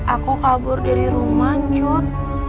aku kabur dari rumah cut